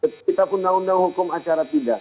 kita undang undang hukum acara tidak